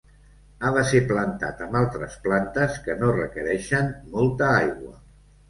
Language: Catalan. Ha de ser plantat amb altres plantes que no requereixen molta aigua.